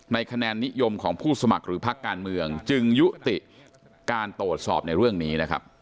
คะแนนนิยมของผู้สมัครหรือพักการเมืองจึงยุติการตรวจสอบในเรื่องนี้นะครับ